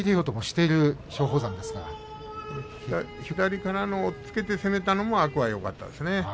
左からの押っつけて攻めたのが天空海はよかったですね。